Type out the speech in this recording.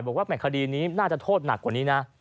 บอกว่าแห่คดีนี้น่าจะโทษหนักกว่านี้นะ